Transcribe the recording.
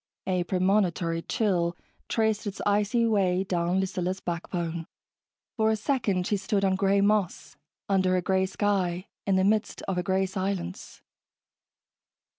A premonitory chill traced its icy way down Lucilla's backbone. For a second she stood on gray moss, under a gray sky, in the midst of a gray silence.